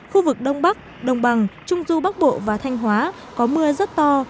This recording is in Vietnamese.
khu vực đông bắc đồng bằng trung du bắc bộ và thanh hóa có mưa rất to